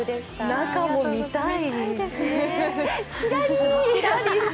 中も見たい。